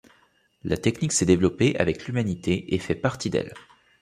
La technique s'est développée avec l'humanité et fait partie d'elle.